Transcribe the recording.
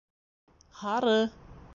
Һары